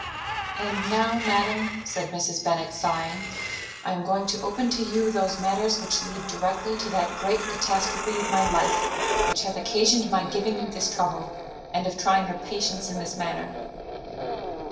"And now, madam," said Mrs. Bennet, sighing, "I am going to open to you those matters which lead directly to that great catastrophe of my life which hath occasioned my giving you this trouble, and of trying your patience in this manner."